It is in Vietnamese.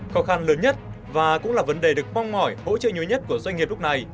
khó khăn lớn nhất và cũng là vấn đề được mong mỏi hỗ trợ nhiều nhất của doanh nghiệp lúc này